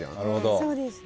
そうですね。